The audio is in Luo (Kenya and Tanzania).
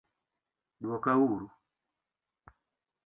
dwoka uru